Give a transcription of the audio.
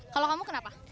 kalau kamu kenapa